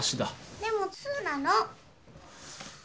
でも鶴なの。